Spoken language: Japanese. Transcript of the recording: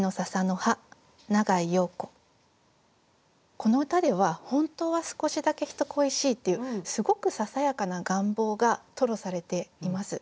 この歌では「ほんたうはすこしだけひと恋しい」っていうすごくささやかな願望が吐露されています。